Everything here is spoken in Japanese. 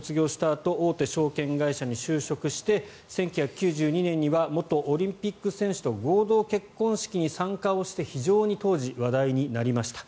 あと大手証券会社に就職して１９９２年には元オリンピック選手と合同結婚式に参加をして非常に、当時話題となりました。